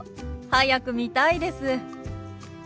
早く見たいです。